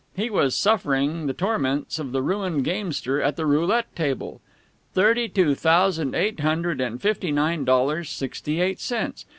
He was suffering the torments of the ruined gamester at the roulette table. Thirty two thousand eight hundred and fifty nine dollars, sixty eight cents!